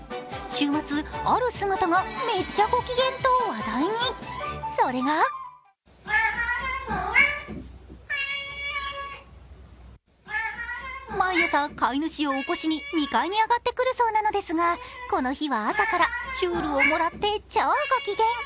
週末、ある姿がめっちゃ御機嫌と話題に、それが毎朝飼い主を起こしに２階に上がってくるそうなのですが、この日は朝からちゅるをもらって超ご機嫌。